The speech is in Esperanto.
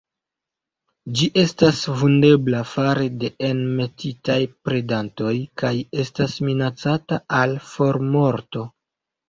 Ĝi estas vundebla fare de enmetitaj predantoj, kaj estas minacata al formorto.